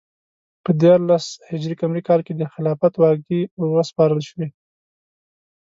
په دیارلس ه ق کال کې د خلافت واګې وروسپارل شوې.